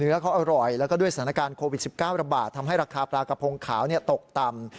เขาอร่อยแล้วก็ด้วยสถานการณ์โควิด๑๙ระบาดทำให้ราคาปลากระพงขาวตกต่ำ